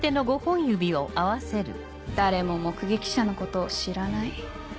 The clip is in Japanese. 誰も目撃者のことを知らない。